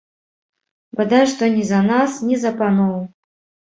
Бадай што ні за нас, ні за паноў.